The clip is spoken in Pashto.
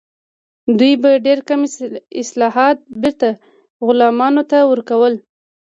دوی به ډیر کم حاصلات بیرته غلامانو ته ورکول.